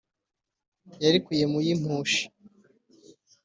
yarikuye mu y’ i mpushi